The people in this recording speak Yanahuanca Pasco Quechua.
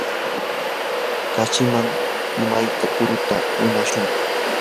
kashkiman imayka qurata winashun.